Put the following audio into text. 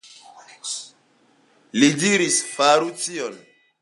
Li diris, faru tion.